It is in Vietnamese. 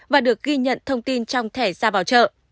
và được ghi nhận thông tin trong thẻ ra vào chợ